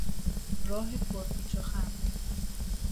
راه پر پیچ و خم